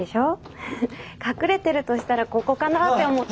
隠れてるとしたらここかなって思って。